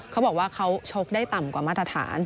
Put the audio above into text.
เขาบอกว่าเขาชกได้ต่ำกว่ามาตรฐาน